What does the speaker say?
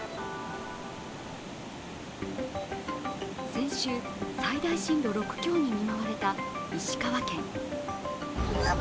先週、最大震度６強に見舞われた石川県。